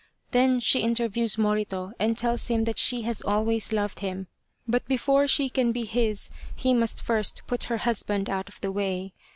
Then she inter views Morito and tells him that she has always loved him, but before she can be his he must first put her husband out of the way.